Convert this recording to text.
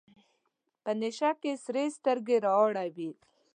په نشه کې سرې سترګې رااړوي.